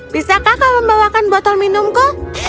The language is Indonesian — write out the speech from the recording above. bisa kakak membawakan botol minumku